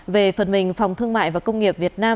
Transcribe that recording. về phần mình phòng thương mại và công nghiệp việt nam